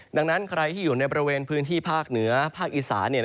ดังนั้นใครที่อยู่ในบริเวณพื้นที่ภาคเหนือภาคอีสาน